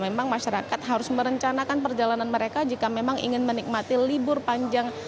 memang masyarakat harus merencanakan perjalanan mereka jika memang ingin menikmati libur panjang